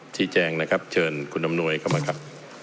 แจ้งนะครับเชิญคุณอำนวยเข้ามาครับ